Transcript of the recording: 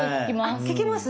あ聞きます？